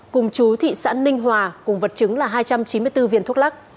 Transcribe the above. cùng chú thị xã ninh hòa cùng vật chứng là hai trăm chín mươi bốn viên thuốc lắc